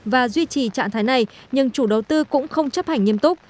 và duy trì trạng thái này nhưng chủ đầu tư cũng không chấp hành nghiêm túc